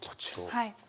はい。